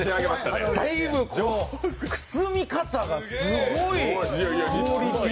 だいぶ、くすみ方がすごい。